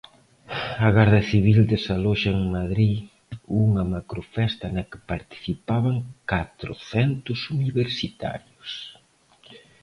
A Garda Civil desaloxa en Madrid unha macrofesta na que participaban catrocentos universitarios.